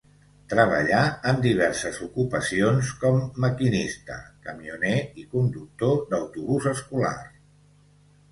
Treballà en diverses ocupacions com maquinista, camioner i conductor d'autobús escolar.